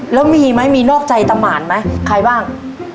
แล้วมีหรือไม่มีนอกใจตามมารไหมใครบ้าง